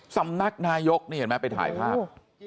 สำนักนายกนี่เห็นไหมไปถ่ายภาพ